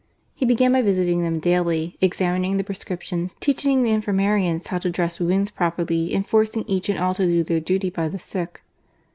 He began by visiting them daily, examining the prescriptions, teaching the infirmarians how to dress wounds properly, and forcing each and all to do their duty by the sick.